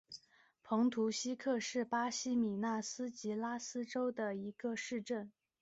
蓬图希克是巴西米纳斯吉拉斯州的一个市镇。